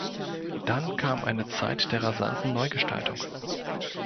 Dann kam eine Zeit der rasanten Neugestaltung.